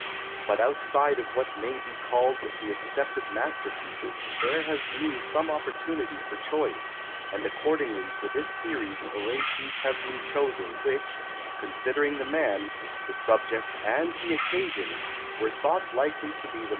Ikit outside of what may be called the accepted masterpieces, tl^ere has been some opportunity for choice, and accordingly for this series orations have been chosen which, considering the man, the subject, and the occasion, were thought likely t^j be the m.